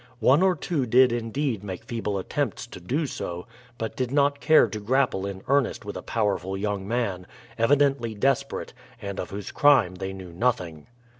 One or two did indeed make feeble attempts to do so, but did not care to grapple in earnest with a powerful young man, evidently desperate, and of whose crime they knew nothing.